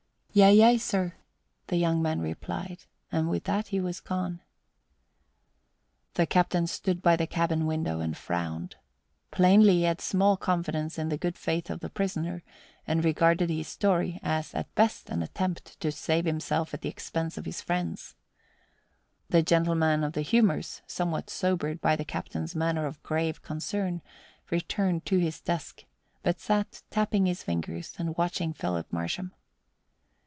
"Yea, yea, sir," the young man replied, and with that he was gone. The captain stood by the cabin window and frowned. Plainly he had small confidence in the good faith of the prisoner and regarded his story as at best an attempt to save himself at the expense of his friends. The gentleman of the humours, somewhat sobered by the captain's manner of grave concern, returned to his desk, but sat tapping his fingers and watching Philip Marsham.